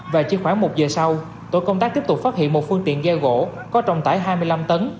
và chỉ khoảng một giờ sau tổ công tác tiếp tục phát hiện một phương tiện ghe gỗ có trọng tải hai mươi năm tấn